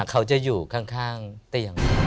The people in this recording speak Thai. โปรดติดตามต่อไป